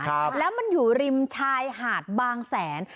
ครับแล้วมันอยู่ริมชายหาดบางแสน